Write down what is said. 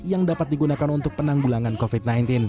yang dapat digunakan untuk penanggulangan covid sembilan belas